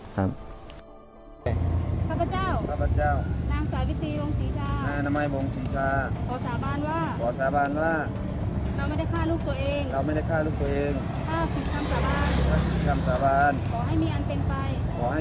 ให้หลักถ้าหลังเสียจริงต้องต้องขออาญเทศมันจะปลอดภัย